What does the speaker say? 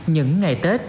những ngày tết